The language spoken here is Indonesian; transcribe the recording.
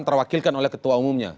terwakilkan oleh ketua umumnya